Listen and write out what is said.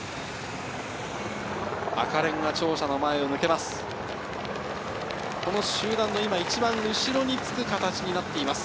赤レンガ庁舎の前を抜けます。